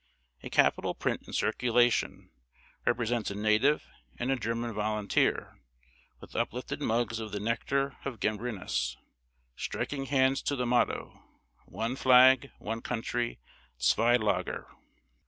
A capital print in circulation represents a native and a German volunteer, with uplifted mugs of the nectar of Gambrinus, striking hands to the motto, "One flag, one country, _zwei lager!